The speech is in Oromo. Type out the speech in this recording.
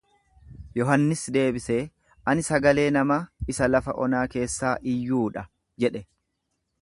Yohannis deebisee, Ani sagalee namaa, isa lafa onaa keessaa iyyuu dha jedhe.